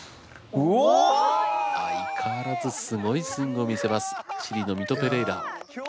相変わらずすごいスイングを見せますチリのミト・ペレイラ。